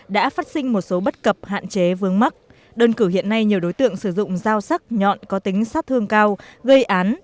đã phát sinh một số bất cập hạn chế vương mắc đơn cử hiện nay nhiều đối tượng sử dụng dao sắc nhọn có tính sát thương cao gây án